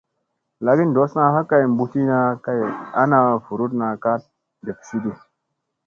Lagi ɗossa ha kay mɓutlina kay ana vuruɗna ka ɗeffesidi.